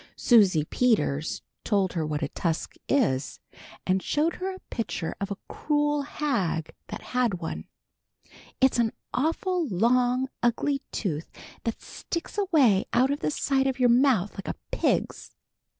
Susie Peters told her what a tusk is, and showed her a picture of a cruel hag that had one. "It's an awful long ugly tooth that sticks away out of the side of your mouth like a pig's."